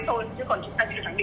chúng ta chưa có thể khẳng định được